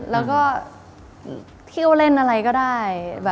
แล้วก็เที่ยวเล่นอะไรก็ได้